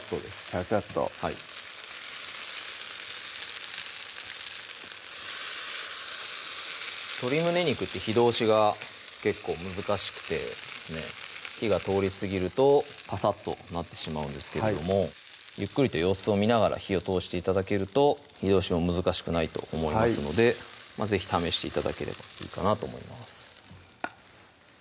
チャチャっとはい鶏胸肉って火通しが結構難しくてですね火が通りすぎるとパサッとなってしまうんですけれどもゆっくりと様子を見ながら火を通して頂けると火通しも難しくないと思いますので是非試して頂ければいいかなと思います